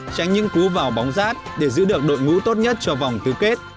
tránh những cú vào bóng rát để giữ được đội ngũ tốt nhất cho vòng tứ kết